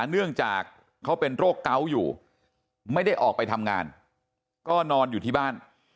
เนื่องจากเขาเป็นโรคเกาะอยู่ไม่ได้ออกไปทำงานก็นอนอยู่ที่บ้าน